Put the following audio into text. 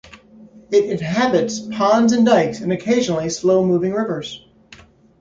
It inhabits ponds and dikes, and occasionally slow-moving rivers.